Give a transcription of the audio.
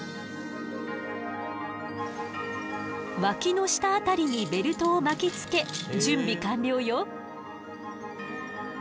ワキの下辺りにベルトを巻きつけ準備完了よ。